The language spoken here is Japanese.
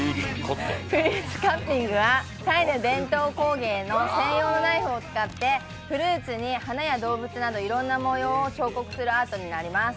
フルーツカービングはタイの伝統工芸の専用ナイフを使ってフルーツに花や動物などいろんな模様を彫刻するアートになります。